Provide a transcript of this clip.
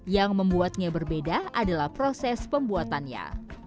yang membuatnya berbeda adalah proses pembuatannya